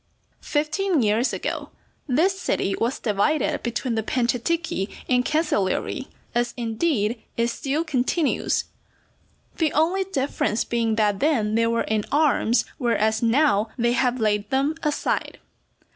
Fifteen years ago this city was divided between the Panciatichi and Cancellieri, as indeed it still continues, the only difference being that then they were in arms, whereas, now, they have laid them aside.